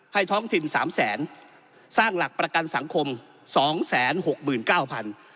ให้ท้องทิมสามแสนสร้างหลักประกันสังคมสองแสนหกหมื่นเก้าพัน